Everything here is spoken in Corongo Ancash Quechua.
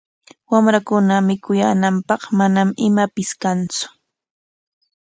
Wamrankuna mikuyaananpaq manam imapis kantsu.